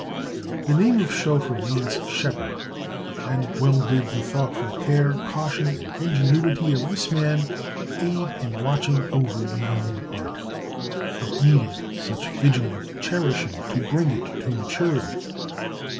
The name of Schoeffer means shepherd; and well did the thoughtful care, caution, and ingenuity of this man aid in watching over the young art, that needed such vigilant cherishing to bring it to maturity.